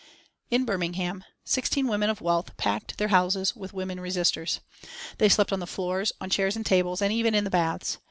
In Birmingham sixteen women of wealth packed their houses with women resisters. They slept on the floors, on chairs and tables, and even in the baths.